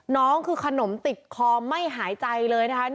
น้องคือขนมติดคอไม่หายใจเลยนะคะ